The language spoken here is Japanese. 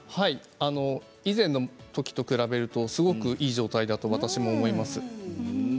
以前のときと比べるとすごくいい状態だと私も思います。